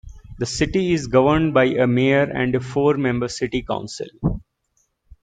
The city is governed by a mayor and a four-member City Council.